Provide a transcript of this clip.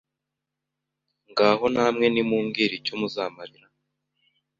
ngaho namwe nimumbwire icyo muzamarira